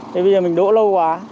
thế bây giờ mình đỗ lâu quá